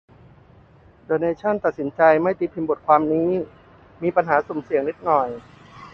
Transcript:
เดอะเนชั่น ตัดสินใจไม่ตีพิมพ์บทความนี้ "มีปัญหาสุ่มเสี่ยงนิดนึง"